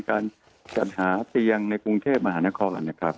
การจัดหาเตียงในกรุงเทพมหานครนะครับ